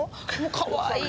かわいい。